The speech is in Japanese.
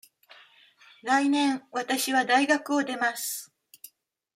来年わたしは大学を出ます。